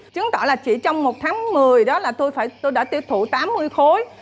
chứng tỏ là chỉ trong một tháng một mươi tôi đã tiêu thụ tám mươi khối